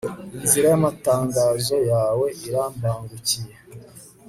inzira y'amatangazo yawe irambangukiye